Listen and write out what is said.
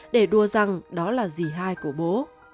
để đùa rằng đó là dì hai của bố